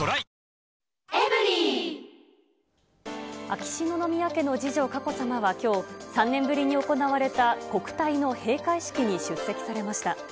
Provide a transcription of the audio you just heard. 秋篠宮家の次女、佳子さまはきょう、３年ぶりに行われた国体の閉会式に出席されました。